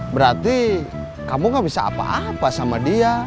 berarti kamu gak bisa apa apa sama dia